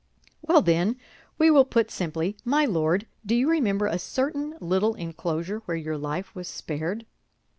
"Well, then, we will put simply, _My Lord, do you remember a certain little enclosure where your life was spared?